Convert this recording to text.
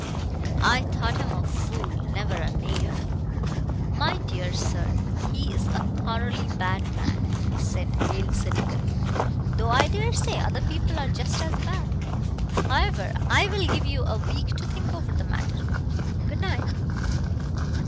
"I thought him a fool, never a knave." "My dear sir, he is a thoroughly bad man," said Hale cynically, "though I daresay other people are just as bad. However, I will give you a week to think over the matter. Good night."